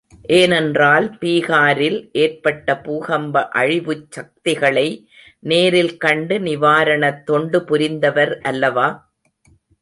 ஏனென்றால், பீகாரில் ஏற்பட்ட பூகம்ப அழிவுச் சக்திகளை நேரில் கண்டு நிவாரணத் தொண்டு புரிந்தவர் அல்லவா?